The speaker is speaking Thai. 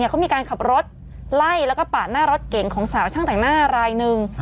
เขามีการขับรถไล่แล้วก็ปาดหน้ารถเก่งของสาวช่างแต่งหน้ารายหนึ่ง